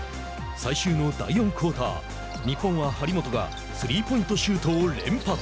最終の第４クオーター日本は張本がスリーポイントシュートを連発。